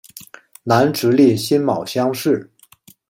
南直隶辛卯乡试。